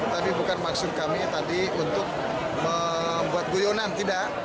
tapi bukan maksud kami tadi untuk membuat guyonan tidak